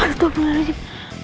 aduh sultan al azim